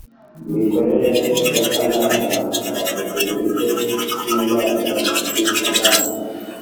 Imikorere y Akanama ka Tekinike k Inama Ngishwanama